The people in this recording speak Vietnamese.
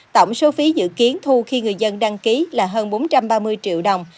tổng số phí dự kiến thu khi người dân đăng ký là hơn bốn trăm ba mươi triệu đồng